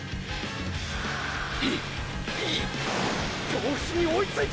京伏に追いついた！！